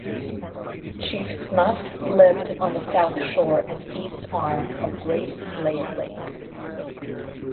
Chief Snuff lived on the south shore and east arm of Great Slave Lake.